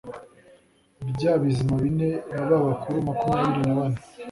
bya bizima bine na ba bakuru makumyabiri na bane